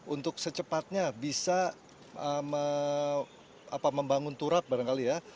untuk secepatnya bisa membangun turap barangkali ya